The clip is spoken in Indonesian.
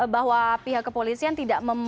bahwa pihak pihaknya ini tidak bisa dikenakan